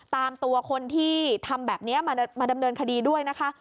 ตามตัวคนที่ทำแบบนี้มาดำเนินคดีด้วยนะคะ